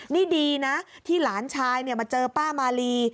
นี่ดีนะที่หลานชายมาเจอป้ามาลี